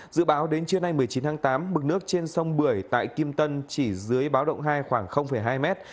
dự báo đến trưa nay một mươi chín tháng tám mực nước trên sông bưởi tại kim tân chỉ dưới báo động hai khoảng hai mét